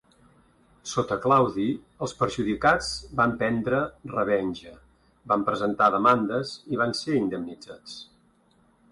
Sota Claudi, els perjudicats van prendre revenja, van presentar demandes, i van ser indemnitzats.